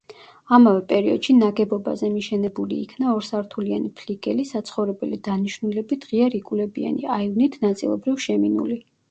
ამავე პერიოდში ნაგებობაზე მიშენებული იქნა ორსართულიანი ფლიგელი, საცხოვრებელი დანიშნულებით ღია რიკულებიანი აივნით, ნაწილობრივ შემინული.